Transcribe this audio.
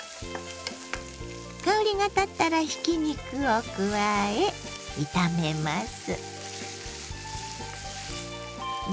香りが立ったらひき肉を加え炒めます。